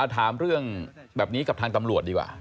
ถามเรื่องแบบนี้กับทางตำรวจดีกว่า